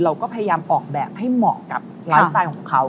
เราก็พยายามออกแบบให้เหมาะกับไลฟ์สไตล์ของเขา